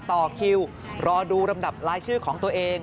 ต่อคิวรอดูลำดับรายชื่อของตัวเอง